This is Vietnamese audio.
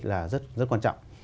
là rất quan trọng